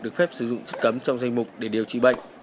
được phép sử dụng chất cấm trong danh mục để điều trị bệnh